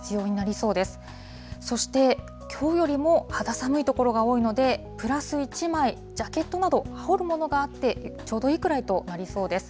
そして、きょうよりも肌寒い所が多いので、プラス１枚、ジャケットなど、羽織るものがあってちょうどいいくらいとなりそうです。